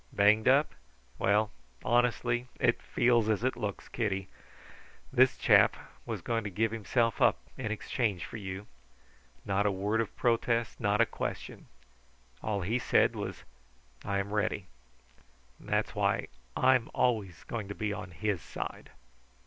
"Banged up? Well, honestly, it feels as it looks, Kitty, this chap was going to give himself up in exchange for you. Not a word of protest, not a question. All he said was: 'I am ready.' That's why I'm always going to be on his side."